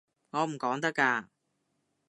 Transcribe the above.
我唔講得㗎